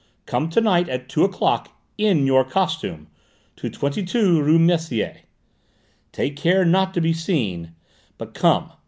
Come to night, at two o'clock, in your costume, to 22 rue Messier. Take care not to be seen, but come.